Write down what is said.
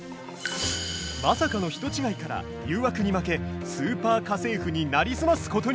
まさかの人違いから誘惑に負け「スーパー家政婦」になりすますことに。